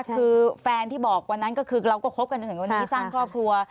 คือแฟนที่บอกวันนั้นก็คือเราก็คบกันจนถึงวันนี้สร้างครอบครัว